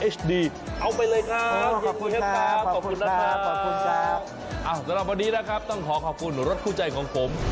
สำหรับวันนี้นะครับต้องขอขอบคุณรถคู่ใจของผม